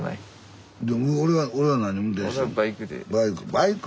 バイク。